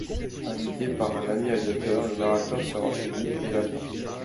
Invité par un ami aviateur, le narrateur se rend chez lui, et l'attend.